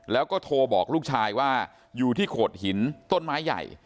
แล้วก็โทรบอกลูกชายว่าอยู่ที่โขดหินต้นไม้ใหญ่